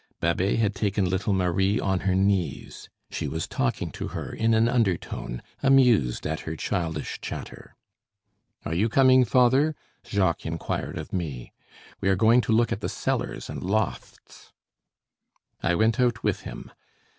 Babet had taken little Marie on her knees; she was talking to her in an undertone, amused at her childish chatter. "Are you coming, father?" Jacques inquired of me. "We are going to look at the cellars and lofts." I went out with him.